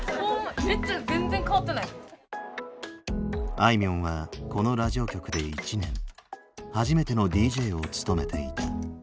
あいみょんはこのラジオ局で１年初めてのＤＪを務めていた。